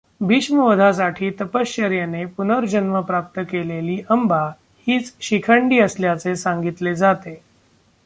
भीष्मवधासाठी तपश्चर्येने पुनर्जन्म प्राप्त केलेली अंबा हीच शिखंडी असल्याचे सांगितले जाते.